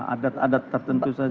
adat adat tertentu saja